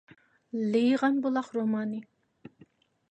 «لېيىغان بۇلاق» رومانى.